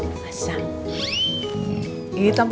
kamu sudah tidur